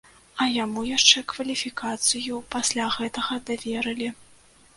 А яму яшчэ кваліфікацыю пасля гэтага даверылі.